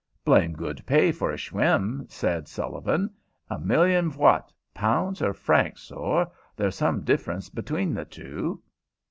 "Blame good pay for a shwim," said Sullivan. "A million phwat pounds or francs, sorr? They's some difference betune the two."